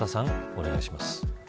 お願いします。